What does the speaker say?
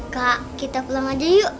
kak kita pulang aja yuk